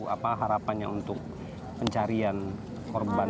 apa harapannya untuk pencarian korban